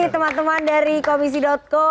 teman teman dari komisi co